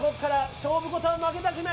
勝負事は負けたくない。